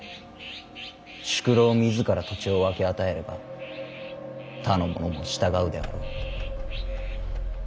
宿老自ら土地を分け与えれば他の者も従うであろう。